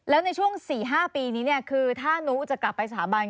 แล้วในช่วง๔๕ปีนี้คือถ้านุจะกลับไปสถาบัน